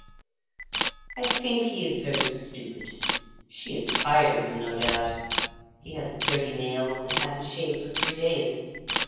"I think he is very stupid. She is tired of him, no doubt. He has dirty nails, and hasn't shaved for three days.